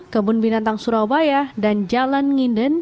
kebun binatang surabaya dan jalan nginden